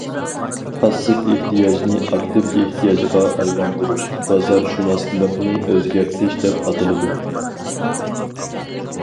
پاسسىپ ئېھتىياجنى ئاكتىپ ئېھتىياجغا ئايلاندۇرۇش، بازارشۇناسلىقنى ئۆزگەرتىش دەپ ئاتىلىدۇ.